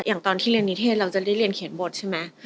อย่างที่เรียนนิเทศเราจะได้เรียนเขียนบทใช่ไหม